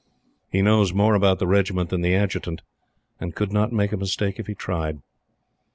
He knows more about the Regiment than the Adjutant, and could not make a mistake if he tried.